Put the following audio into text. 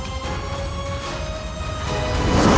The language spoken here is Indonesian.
semoga saja ini semua tidak terjadi